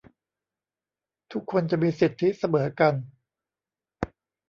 ทุกคนจะมีสิทธิเสมอกัน